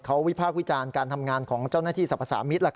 เขาวิพากษ์วิจารณ์การทำงานของเจ้าหน้าที่สรรพสามิตร